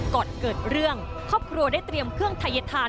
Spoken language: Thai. ก่อนเกิดเรื่องครอบครัวได้เตรียมเครื่องทัยธาน